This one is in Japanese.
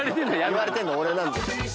言われてるの俺なんだ。